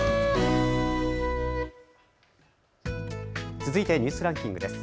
続いてニュースランキングです。